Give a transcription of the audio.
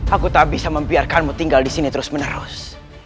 aku tak bisa membiarkanmu tinggal disini terus menerus